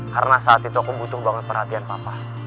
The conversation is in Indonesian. karena saat itu aku butuh banget perhatian papa